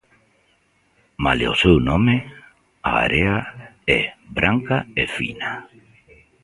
Malia o seu nome, a area é branca e fina.